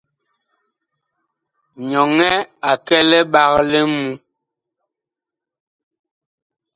Nyɔnɛ a kɛ liɓag li ŋmu.